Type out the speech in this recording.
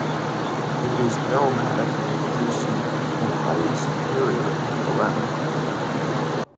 It is aromatic, juicy, and highly superior to the lemon.